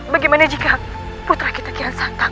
bagaimana jika putra kita kian santa